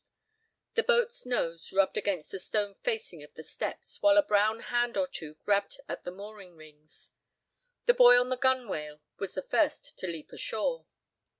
The boat's nose rubbed against the stone facing of the steps, while a brown hand or two grabbed at the mooring rings. The boy on the gunwale was the first to leap ashore.